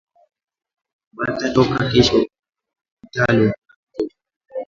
Bata toka kesho mu opitalo na mtoto